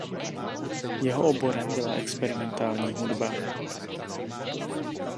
Jeho oborem byla experimentální hudba.